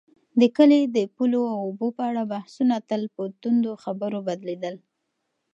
د کلي د پولو او اوبو په اړه بحثونه تل په توندو خبرو بدلېدل.